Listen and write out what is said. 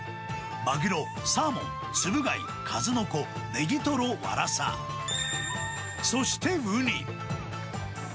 マグロ、サーモン、ツブ貝、数の子、ネギトロ、ワラサ、そしてウニ。